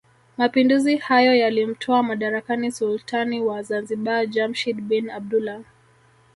Mapinduzi hayo yaliyomtoa madarakani sultani wa Zanzibar Jamshid bin Abdullah